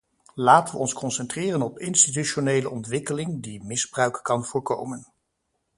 Laten we ons concentreren op institutionele ontwikkeling, die misbruik kan voorkomen.